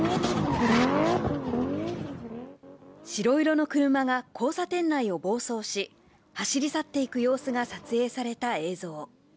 白色の車が交差点内を暴走し、走り去っていく様子が撮影された映像。